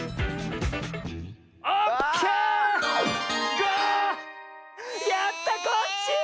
５！やったコッシー！